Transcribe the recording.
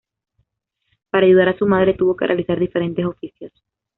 Para ayudar a su madre tuvo que realizar diferentes oficios.